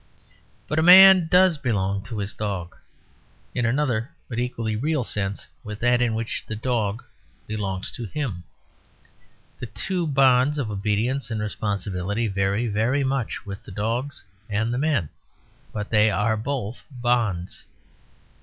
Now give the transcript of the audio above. But a man does belong to his dog, in another but an equally real sense with that in which the dog belongs to him. The two bonds of obedience and responsibility vary very much with the dogs and the men; but they are both bonds.